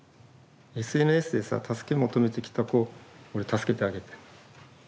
ＳＮＳでさ助け求めてきた子を俺助けてあげたい。